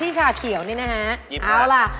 ที่ชาเขียวนี่นะฮะ